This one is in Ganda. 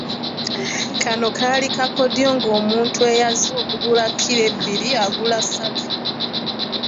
Kano kaali kakodyo ng’omuntu eyazze okugula kkiro ebbiri agula ssatu.